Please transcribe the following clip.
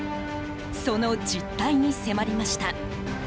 その実態に迫りました。